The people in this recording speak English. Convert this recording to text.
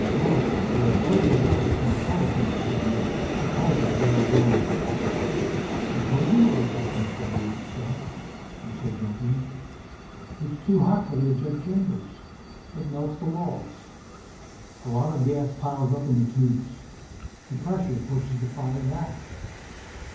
Marc, who had closed his eyes when the color change came, took hold of the girl's arm. "I told you what would happen if they used the stuff," he said gently. "It's too hot for their jet chambers. It melts the walls. A lot of gas piles up in the tubes. The pressure pushes the fire back.